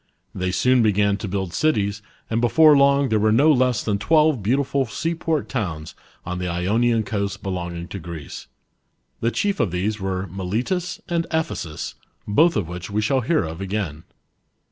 They soon began to build cities, and before long, . there were no less than twelve beautiful seaport towns on the Ionian coast belonging to Greece. The chief of these were Miletus and Ephesus, both of which we shall hear of again.